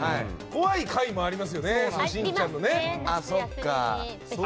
怖い回もありますよね。